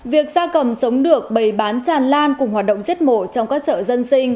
việc gia cầm sống được bày bán tràn lan cùng hoạt động giết mổ trong các chợ dân sinh